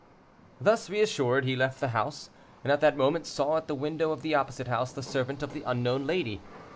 Thus reassured, he left the house, and at that moment saw at the window of the opposite house the servant of the unknown lady.